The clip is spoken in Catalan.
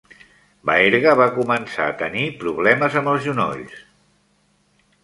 Baerga va començar a tenir problemes amb els genolls.